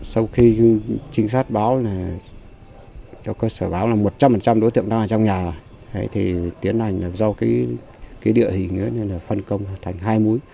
sau khi trinh sát báo là cho cơ sở báo là một trăm linh đối tượng no ở trong nhà thì tiến hành là do cái địa hình phân công thành hai mối